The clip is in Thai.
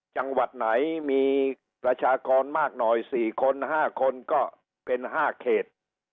จังหวัดไหนมีประชากรมากหน่อย๔คน๕คนก็เป็น๕เขต